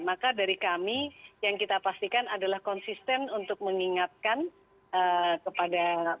maka dari kami yang kita pastikan adalah konsisten untuk mengingatkan kepada